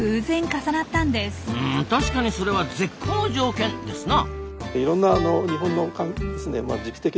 うん確かにそれは絶好の条件ですな。